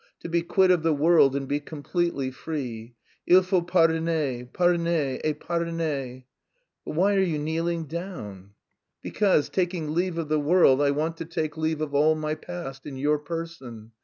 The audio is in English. To be quit of the world and be completely free. Il faut pardonner, pardonner, et pardonner!" "But why are you kneeling down?" "Because, taking leave of the world, I want to take leave of all my past in your person!"